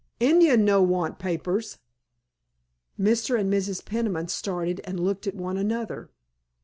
"Indian no want papers." Mr. and Mrs. Peniman started and looked at one another.